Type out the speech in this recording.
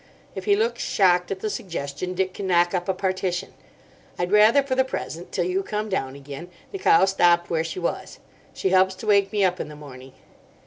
If he looks shocked at the suggestion, Dick can knock up a partition. I'd rather for the present, till you come down again, the cow stopped where she was. She helps to wake me in the morning.